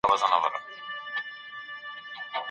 ایا ته زما د زړه درزا اورېدلی شې؟